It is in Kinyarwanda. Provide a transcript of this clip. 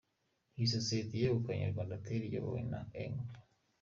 Iyi sosiyeti yegukanye Rwandatel iyobowe na Eng.